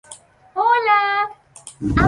Yuma Hiroki